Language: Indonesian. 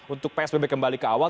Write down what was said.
untuk psbb kembali ke awal